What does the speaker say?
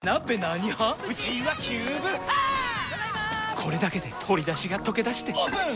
これだけで鶏だしがとけだしてオープン！